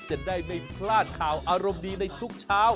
จะได้ไม่พลาดข่าวอารมณ์ดีในทุกเช้า